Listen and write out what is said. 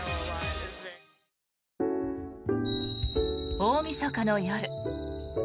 大みそかの夜。